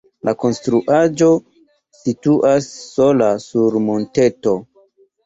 La konstruaĵo situas sola sur monteto.